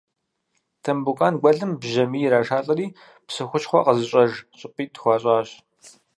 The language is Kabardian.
Тамбукъан гуэлым бжьамий ирашалӏэри псы хущхъуэ къызыщӏэж щӏыпӏитӏ хуащӏащ.